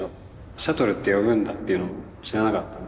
シャトルって呼ぶんだっていうのも知らなかったので。